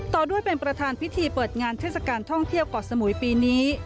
ต่อด้วยเป็นประธานพิธีเปิดงานเทศกาลท่องเที่ยวเกาะสมุยปีนี้